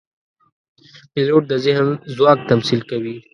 پیلوټ د ذهن ځواک تمثیل کوي.